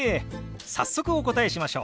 早速お答えしましょう。